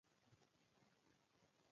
ابدالي په غوسه وو.